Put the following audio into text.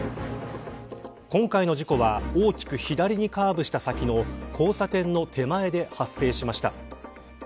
今回の事故は大きく左にカーブした先の交差点の手前で発生しました。